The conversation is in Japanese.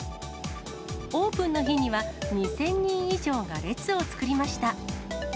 オープンの日には、２０００人以上が列を作りました。